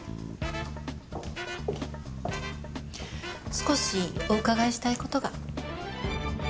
少しお伺いしたい事が。